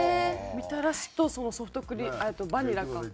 みたらしとソフトクリームえっとバニラか。